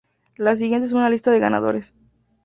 La siguiente es una lista de ganadores.